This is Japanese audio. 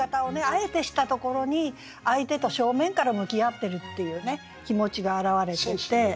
あえてしたところに相手と正面から向き合ってるっていう気持ちが表れていて。